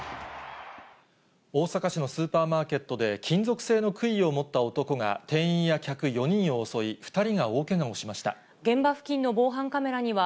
大阪市のスーパーマーケットで、金属製のくいを持った男が店員や客４人を襲い、２人が大けがをし現場付近の防犯カメラには、